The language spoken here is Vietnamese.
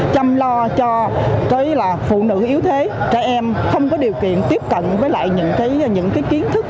chăm lo cho phụ nữ yếu thế trẻ em không có điều kiện tiếp cận với lại những kiến thức